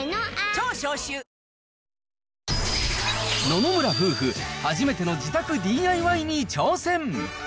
野々村夫婦、初めての自宅ＤＩＹに挑戦。